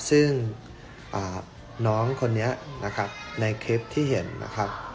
ซึ่งน้องคนนี้นะครับในคลิปที่เห็นนะครับ